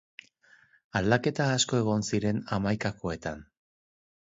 Aldaketa asko egon ziren hamaikakoetan.